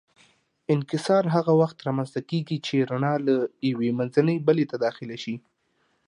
انکسار هغه وخت رامنځته کېږي چې رڼا له یوې منځنۍ بلې ته داخله شي.